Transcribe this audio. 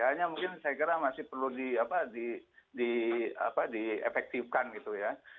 hanya mungkin saya kira masih perlu diefektifkan gitu ya